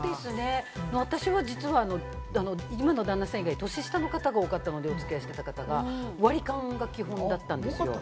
私は実は、今の旦那さん以外、年下の方が多かったので、お付き合いしてた方が、割り勘が基本だったんですよ。